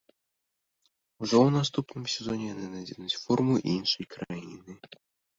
Ужо ў наступным сезоне яны надзенуць форму іншай краіны.